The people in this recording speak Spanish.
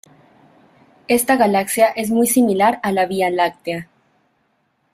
Esta galaxia es muy similar a la Vía Láctea.